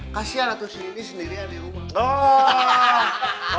kasianlah tuh si ini sendirian di rumah